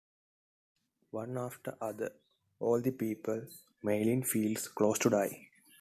One after the other, all the people Merlyn feels close to, die.